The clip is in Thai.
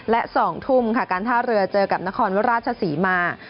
และ๒ทุ่มค่ะการท่าเรือเจอกับนครราชศรีมา